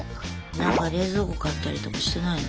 なんか冷蔵庫買ったりとかしてないの？